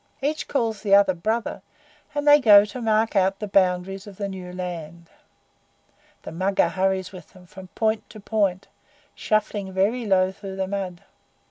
Each calls the other 'Brother,' and they go to mark out the boundaries of the new land. The Mugger hurries with them from point to point, shuffling very low through the mud.